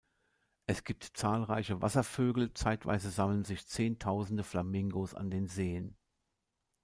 Es gibt zahlreiche Wasservögel, zeitweise sammeln sich zehntausende Flamingos an den Seen.